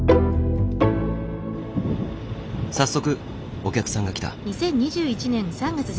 早速お客さんが来た。